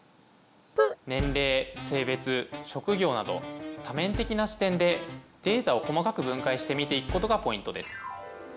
年齢性別職業など多面的な視点でデータを細かく分解して見ていくことがポイントです。